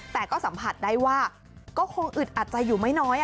แต่ก็สัมผัสได้ว่าก็คงอึดอัดใจอยู่ไม่น้อย